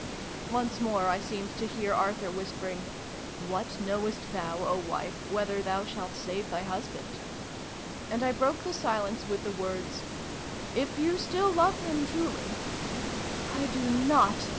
" Once more I seemed to hear Arthur whispering " What knowest thou, O wife, whether thou shalt save thy husband ?" and I broke the silence with the words " If you still love him truly "I do not!"